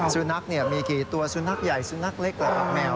สุนัขมีกี่ตัวสุนัขใหญ่สุนัขเล็กแหละครับแมว